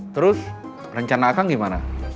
terus rencana kang gimana